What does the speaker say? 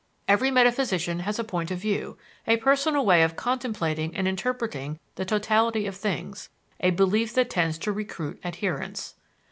Every metaphysician has a point of view, a personal way of contemplating and interpreting the totality of things, a belief that tends to recruit adherents.